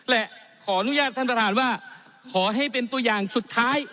และขออนุญาตท่านประธานว่าขอให้เป็นตัวอย่างสุดท้าย